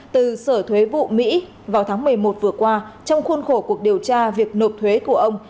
từ sở thuế vụ mỹ vào tháng một mươi một vừa qua trong khuôn khổ cuộc điều tra việc nộp thuế của ông